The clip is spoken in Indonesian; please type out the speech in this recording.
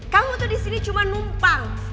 kamu tuh disini cuma numpang